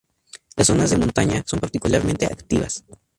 Las zonas de montaña son particularmente activas.